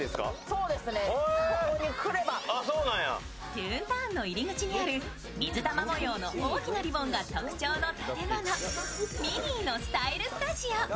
トゥーンタウンの入り口にある水玉模様の大きなリボンが特徴の建物、ミニーのスタイルスタジオ。